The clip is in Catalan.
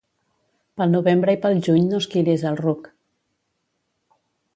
Pel novembre i pel juny no esquilis el ruc.